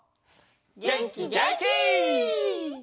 げんきげんき！